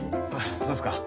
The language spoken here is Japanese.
そうですか。